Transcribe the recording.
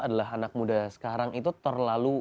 adalah anak muda sekarang itu terlalu